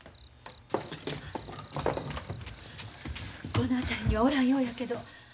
この辺りにはおらんようやけど。